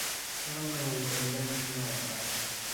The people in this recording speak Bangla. আনন্দময়ী কহিলেন, শোনো একবার!